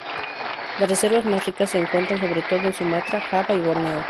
Las reservas más ricas se encuentran, sobre todo, en Sumatra, Java y Borneo.